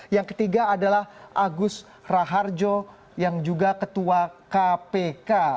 yang ketiga adalah agus raharjo yang juga ketua kpk